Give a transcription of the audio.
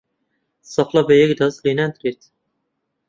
چەپڵە بە یەک دەست لێ نادرێت